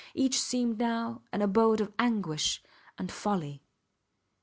Each seemed now an abode of anguish and folly.